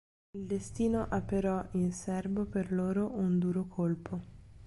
Il destino ha però in serbo per loro un duro colpo.